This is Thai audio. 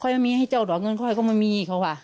เขายังไม่มีให้เจ้าดอกเงินเขาก็ไม่มีเขาว่ะ